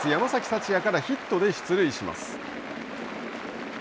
福也からヒットで出塁します。